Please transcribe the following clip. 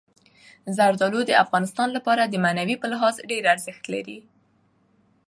زردالو د افغانانو لپاره په معنوي لحاظ ارزښت لري.